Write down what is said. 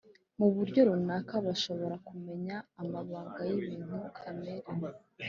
mu buryo runaka bashobora kumenya amabanga y’ibintu kamere